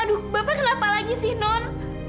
aduh bapak kenapa lagi sih non